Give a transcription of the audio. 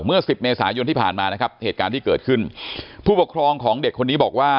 สิบเมษายนที่ผ่านมานะครับเหตุการณ์ที่เกิดขึ้นผู้ปกครองของเด็กคนนี้บอกว่า